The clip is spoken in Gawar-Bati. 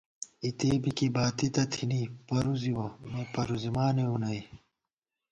اِتےبی کی باتی تہ تھنی پرُوزِوَہ ، مے پرُوزِمانېؤ نئ